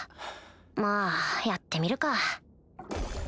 まぁやってみるか